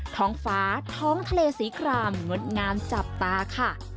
ท้องฟ้าท้องทะเลสีกลามเหมือนงามจับตาค่ะ